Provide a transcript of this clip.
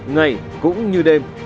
ngày cũng như đêm